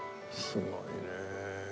すごいね。